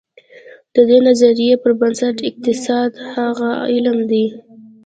د دې نظریې پر بنسټ اقتصاد هغه علم دی.